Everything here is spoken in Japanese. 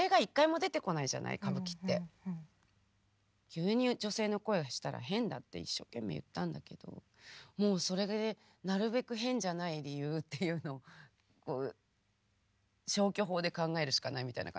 急に女性の声がしたら変だって一所懸命言ったんだけどもうそれでなるべく変じゃない理由っていうのを消去法で考えるしかないみたいな感じ。